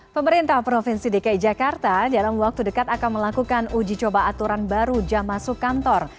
pemerintah provinsi dki jakarta dalam waktu dekat akan melakukan uji coba aturan baru jam masuk kantor